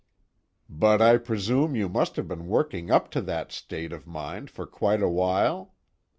"But I presume you must have been working up to that state of mind for quite a while?"